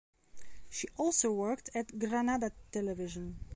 She also worked at Granada Television.